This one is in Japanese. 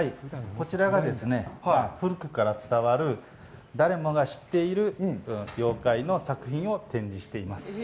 こちらが古くから伝わる誰もが知っている、妖怪の作品を展示しています。